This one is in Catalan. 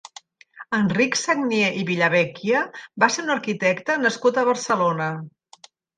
Enric Sagnier i Villavecchia va ser un arquitecte nascut a Barcelona.